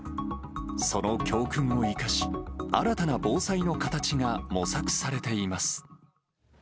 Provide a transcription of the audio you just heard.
その教訓を生かし、新たな防災の形が模索されています。